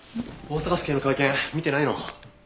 大阪府警の会見見てないの？